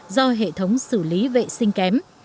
do hệ thống xử lý vệ sinh kém